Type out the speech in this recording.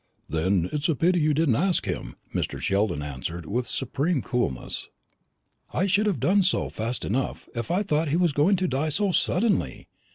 "Then it's a pity you didn't ask him," Mr. Sheldon answered, with supreme coolness. "I should have done so fast enough, if I had thought he was going to die so suddenly.